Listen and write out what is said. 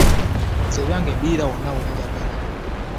Nze ebyange mbiriira wonna we njagala.